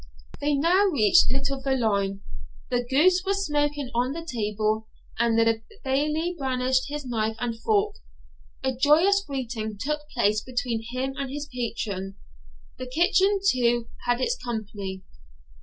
They now reached Little Veolan. The goose was smoking on the table, and the Bailie brandished his knife and fork. A joyous greeting took place between him and his patron. The kitchen, too, had its company.